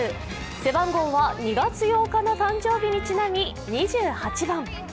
背番号は２月８日の誕生日にちなみ２８番。